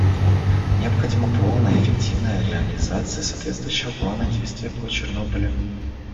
Необходима полная и эффективная реализация соответствующего Плана действий по Чернобылю.